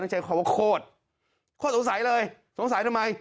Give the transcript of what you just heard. ใช้คำว่าโคตรโคตรสงสัยเลยสงสัยทำไม